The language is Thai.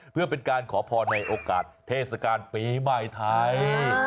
เพื่อเป็นการขอพรในโอกาสเทศกาลปีใหม่ไทย